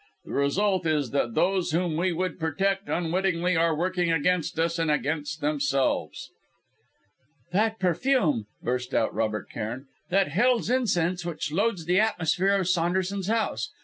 The result is that those whom we would protect, unwittingly are working against us, and against themselves." "That perfume!" burst out Robert Cairn; "that hell's incense which loads the atmosphere of Saunderson's house!